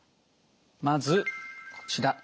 まずこちら。